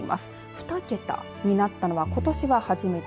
２桁になったのはことしは初めて。